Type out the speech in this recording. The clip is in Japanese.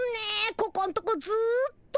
ここんとこずっと。